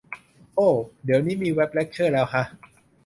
โอ้ เดี๋ยวนี้มีเว็บเลคเชอร์แล้วฮะ